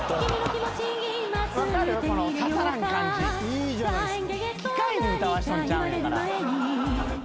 いいじゃないっすか。